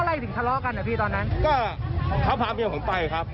แล้วเราได้ฟันเขาจริงไหม